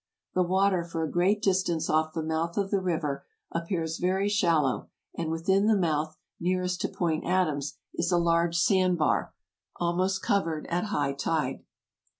The water for a great distance off the mouth of the river appears very shallow, and within the mouth, nearest to Point Adams, is a large sand bar, almost covered at high tide."